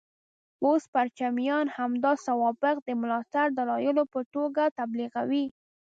اوس پرچمیان همدا سوابق د ملاتړ دلایلو په توګه تبلیغوي.